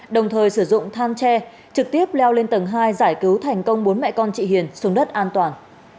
đồng thời sử dụng than tre trực tiếp leo lên tầng hai giải cứu thành công bốn mẹ con chị hiền xuống đất an toàn